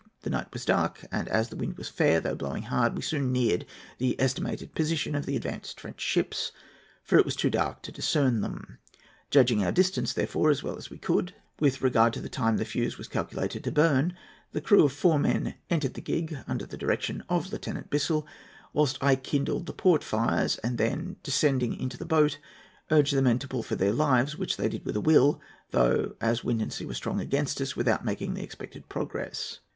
The night was dark, and, as the wind was fair, though blowing hard, we soon neared the estimated position of the advanced French ships, for it was too dark to discern them. Judging our distance, therefore, as well as we could, with regard to the time the fuse was calculated to burn, the crew of four men entered the gig, under the direction of Lieut. Bissel, whilst I kindled the portfires, and then, descending into the boat, urged the men to pull for their lives, which they did with a will, though, as wind and sea were strong against us, without making the expected progress.